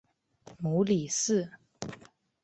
母李氏。